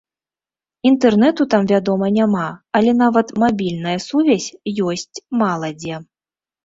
Інтэрнэту там, вядома, няма, але нават мабільная сувязь ёсць мала дзе.